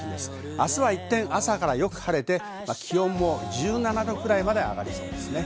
明日は朝から晴れて、気温も１７度くらいまで上がりそうです。